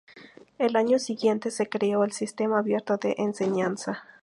Al año siguiente se creó el "Sistema Abierto de Enseñanza".